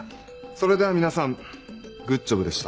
それでは皆さんグッジョブでした。